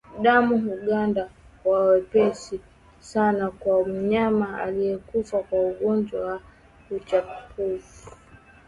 Damu huganda kwa wepesi sana kwa mnyama aliyekufa kwa ugonjwa wa chambavu